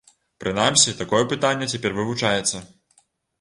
Прынамсі, такое пытанне цяпер вывучаецца.